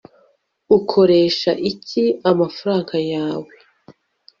ukoresha iki amafaranga yawe